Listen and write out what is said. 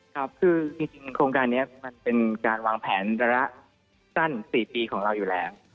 ครับคือจริงโครงการนี้มันเป็นการวางแผนระยะสั้น๔ปีของเราอยู่แล้ว